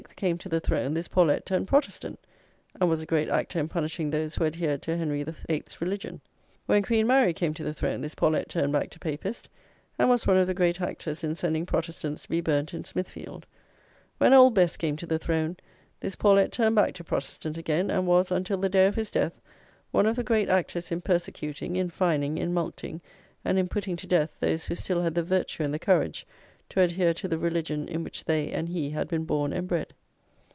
came to the throne, this Paulet turned protestant, and was a great actor in punishing those who adhered to Henry VIIIth's religion: when Queen Mary came to the throne, this Paulet turned back to papist, and was one of the great actors in sending protestants to be burnt in Smithfield: when Old Bess came to the throne, this Paulet turned back to protestant again, and was, until the day of his death, one of the great actors in persecuting, in fining, in mulcting, and in putting to death those who still had the virtue and the courage to adhere to the religion in which they and he had been born and bred.